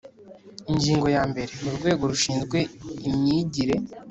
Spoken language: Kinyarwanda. Ingingo ya mbere Urwego rushinzwe imyigire